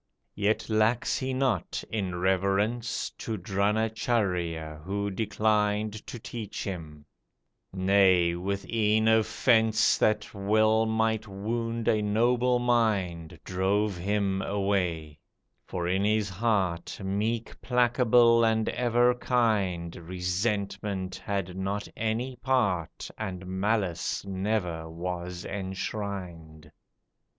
Yet lacks he not, in reverence To Dronacharjya, who declined To teach him, nay, with e'en offence That well might wound a noble mind, Drove him away; for in his heart Meek, placable, and ever kind, Resentment had not any part, And Malice never was enshrined.